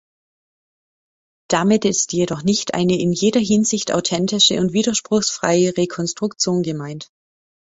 Damit ist jedoch nicht eine in jeder Hinsicht authentische und widerspruchsfreie Rekonstruktion gemeint.